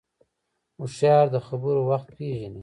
هوښیار د خبرو وخت پېژني